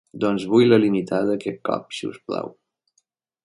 Doncs vull la limitada aquest cop, si us plau.